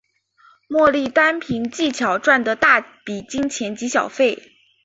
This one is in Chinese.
莫莉单凭技巧赚得大笔金钱及小费。